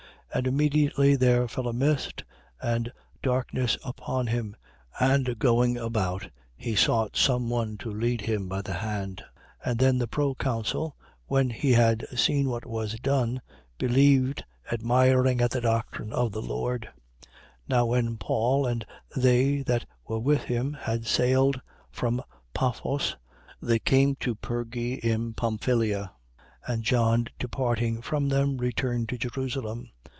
And immediately there fell a mist and darkness upon him: and going about, he sought some one to lead him by the hand. 13:12. Then the proconsul, when he had seen what was done, believed, admiring at the doctrine of the Lord. 13:13. Now when Paul and they that were with him had sailed from Paphos, they came to Perge in Pamphylia. And John departing from them, returned to Jerusalem.